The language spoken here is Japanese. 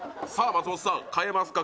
松本さん変えますか？